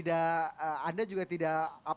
anda juga tidak